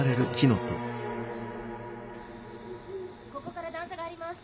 ここから段差があります。